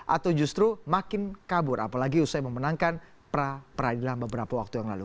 atau justru makin kabur apalagi usai memenangkan pra peradilan beberapa waktu yang lalu